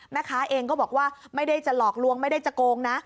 แม่ค้าเองก็บอกว่าไม่ได้จะหลอกลวงไม่ได้จะโกงนะ